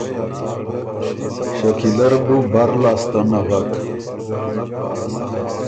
شکیله ر بُو بر لاسته نغک